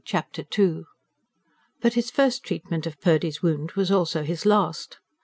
Chapter II But his first treatment of Purdy's wound was also his last.